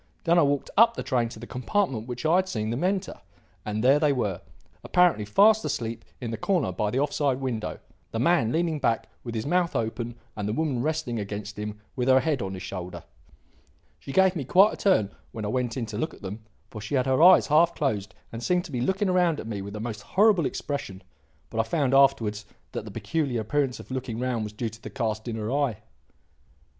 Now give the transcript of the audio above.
Then I walked up the train to the compartment which I had seen them enter. And there they were, apparently fast asleep in the corner by the off side window, the man leaning back with his mouth open and the woman resting against him with her head on his shoulder. She gave me quite a turn when I went in to look at them, for she had her eyes half closed and seemed to be looking round at me with a most horrible expression; but I found afterwards that the peculiar appearance of looking round was due to the cast in her eye."